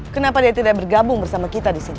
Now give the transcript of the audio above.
kenapa dia tidak bergabung bersama kita di sini